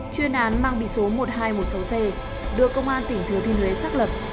chuyên án mang bị số một nghìn hai trăm một mươi sáu c được công an tỉnh thừa thiên huế xác lập